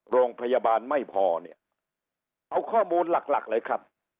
โรงพยาบาลไม่พอเนี่ยเอาข้อมูลหลักหลักเลยครับ